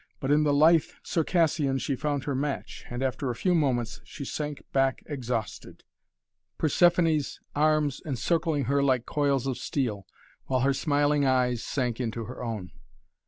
But in the lithe Circassian she found her match and, after a few moments, she sank back exhausted, Persephoné's arms encircling her like coils of steel, while her smiling eyes sank into her own.